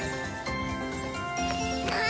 あ！